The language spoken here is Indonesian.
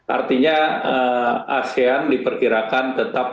artinya asean diperkirakan tetap